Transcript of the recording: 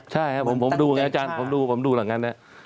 ใช่ครับผมดูไงอาจารย์ผมดูหลังงานเนี่ย